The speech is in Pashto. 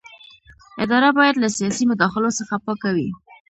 اداره باید له سیاسي مداخلو څخه پاکه وي.